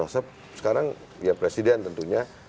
sekarang presiden tentunya